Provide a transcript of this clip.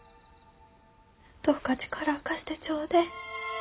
どうか力を貸してちょうでえ。